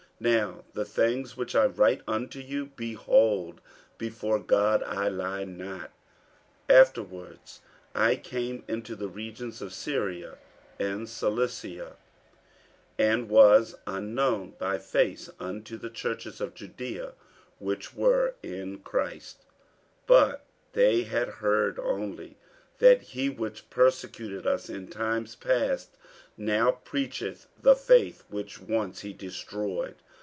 48:001:020 Now the things which I write unto you, behold, before God, I lie not. 48:001:021 Afterwards I came into the regions of Syria and Cilicia; 48:001:022 And was unknown by face unto the churches of Judaea which were in Christ: 48:001:023 But they had heard only, That he which persecuted us in times past now preacheth the faith which once he destroyed.